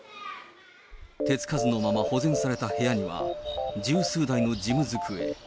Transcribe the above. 手つかずのまま保全された部屋には、十数台の事務机。